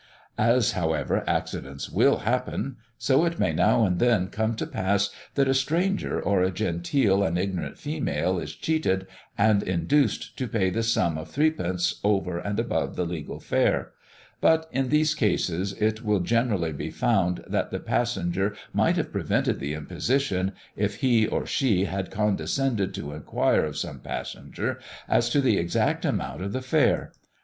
As, however, accidents will happen, so it may now and then come to pass that a stranger, or a genteel and ignorant female is cheated, and induced to pay the sum of threepence over and above the legal fare; but in these cases it will generally be found, that the passenger might have prevented the imposition, if he or she had condescended to enquire of some other passenger as to the exact amount of the fare.